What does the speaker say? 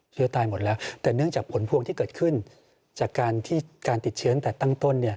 เชื้อตายหมดแล้วแต่เนื่องจากผลพวงที่เกิดขึ้นจากการติดเชื้อตั้งต้น